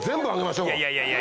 いやいやいや。